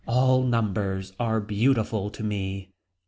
All numbers are beautiful to me.